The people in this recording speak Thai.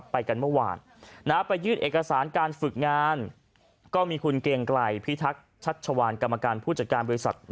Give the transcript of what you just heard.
ไปกันเมื่อวานไปยื่นเอกสารการฝึกงานก็มีคุณเกรงไกลพิทักษ์ชัชวานกรรมการผู้จัดการบริษัท